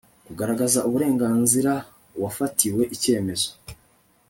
kugaragaza uburenganzira uwafatiwe icyemezo